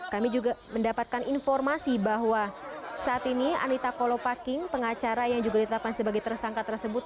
kami juga mendapatkan informasi bahwa saat ini anita kolopaking pengacara yang juga ditetapkan sebagai tersangka tersebut